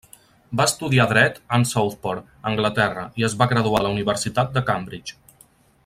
Va estudiar dret en Southport, Anglaterra, i es va graduar de la Universitat de Cambridge.